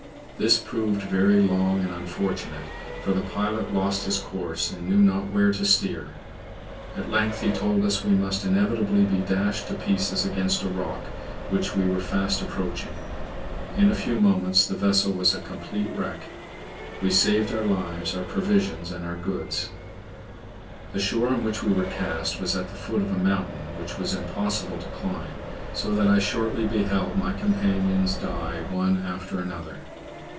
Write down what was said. This proved very long and unfortunate, for the pilot lost his course and knew not where to steer. At length he told us we must inevitably be dashed to pieces against a rock, which we were fast approaching. In a few moments the vessel was a complete wreck. We saved our lives, our provisions, and our goods. The shore on which we were cast was at the foot of a mountain which it was impossible to climb, so that I shortly beheld my companions die one after another.